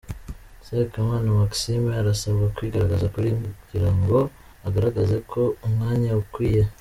Sekamana Maxime arasabwa kwigaragaza kugira ngo agaragaze ko umwanya awukwiye.